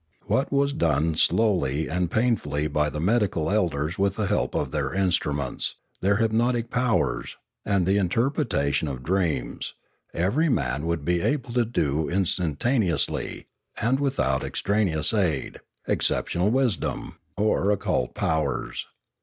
What was done slowly and pain fully by the medical elders with the help of their instru ments, their hypnotic powers, and the interpretation of dreams, every man would be able to do instantane ously, and without extraneous aid, exceptional wisdom, 458 Limanora or occult powers.